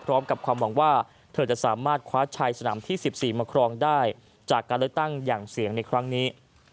พร้อมกับความหวังว่าเธอจะสามารถคว้าชัยสนามที่๑๔มาครองได้จากการเลือกตั้งอย่างเสียงในครั้งนี้